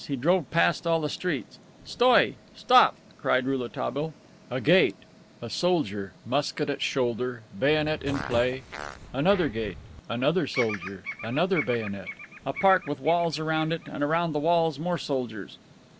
He drove past all the streets. "Stoi! (Stop!)" cried Rouletabille. A gate, a soldier, musket at shoulder, bayonet in play; another gate, another soldier, another bayonet; a park with walls around it, and around the walls more soldiers.